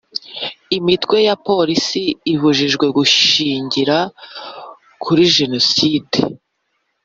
Imitwe ya politiki ibujijwe gushingira kuri genocide